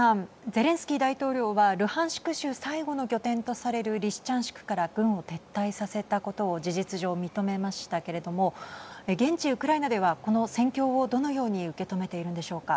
ゼレンスキー大統領はルハンシク州最後の拠点とされるリシチャンシクから軍を撤退させたことを事実上、認めましたけれども現地ウクライナでは、この戦況をどのように受け止めているんでしょうか。